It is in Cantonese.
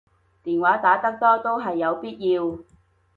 電話打得多都係有必要